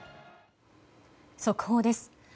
速報です。